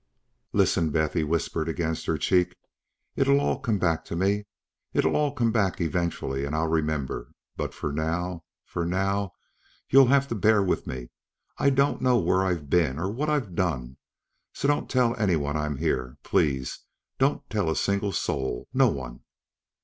"Listen, Beth," he whispered against her cheek. "It'll all come back to me. It'll all come back eventually and I'll remember. But for now ... for now, you'll have to bear with me. I don't know where I've been, or what I've done, so don't tell anyone I'm here. Please! Don't tell a single soul! No one!"